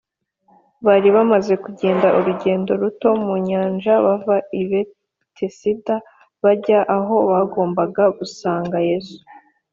bari bamaze kugenda urugendo ruto mu nyanja bava i betesida bajya aho bagombaga gusanga yesu